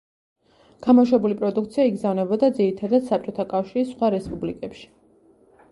გამოშვებული პროდუქცია იგზავნებოდა ძირითადად საბჭოთა კავშირის სხვა რესპუბლიკებში.